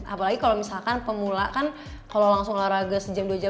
apalagi kalau pemula yang berlatih sejam atau dua jam